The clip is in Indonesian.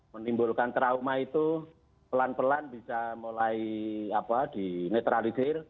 menimbulkan trauma itu pelan pelan bisa mulai dinetralisir